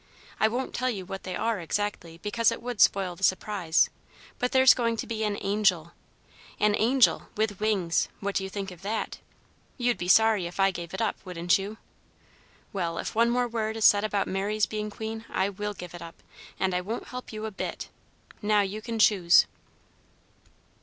I won't tell you what they are, exactly, because it would spoil the surprise, but there's going to be an angel! An angel with wings! What do you think of that? You'd be sorry if I gave it up, wouldn't you? Well, if one more word is said about Mary's being queen, I will give it up, and I won't help you a bit. Now you can choose."